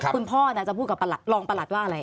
คุณพ่อจะพูดกับประรองประหลัดว่าอะไร